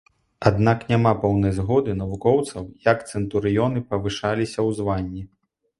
Аднак няма поўнай згоды навукоўцаў як цэнтурыёны павышаліся ў званні.